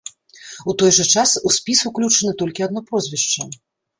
У той жа час у спіс уключана толькі адно прозвішча.